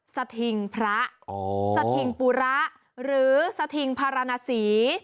สถิงพระสถิงปุระหรือสถิงพารณสี